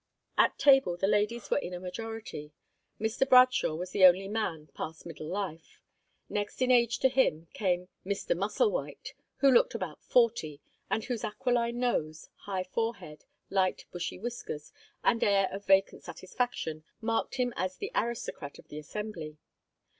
At table, the ladies were in a majority. Mr. Bradshaw was the only man past middle life. Next in age to him came Mr. Musselwhite, who looked about forty, and whose aquiline nose, high forehead, light bushy whiskers, and air of vacant satisfaction, marked him as the aristocrat of the assembly.